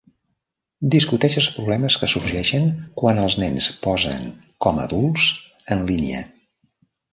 Discuteix els problemes que sorgeixen quan els nens posen com a adults en línia.